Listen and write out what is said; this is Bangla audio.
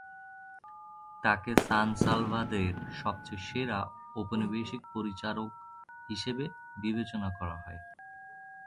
তাকে সান সালভাদরের "সবচেয়ে সেরা ঔপনিবেশিক পরিচারক" হিসেবে বিবেচনা করা হয়।